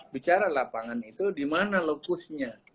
bicara lapangan itu di mana lokusnya